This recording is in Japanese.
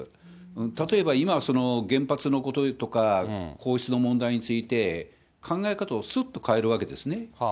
例えば、今、原発のこととか、皇室の問題について、考え方をすっと変えるわけですね。